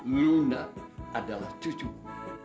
luna adalah cucu gue